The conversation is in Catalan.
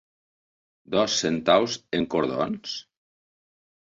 Dos centaus en cordons?